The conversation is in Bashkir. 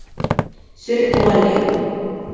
Серек булған икән.